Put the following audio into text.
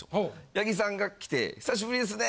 八木さんが来て久しぶりですね！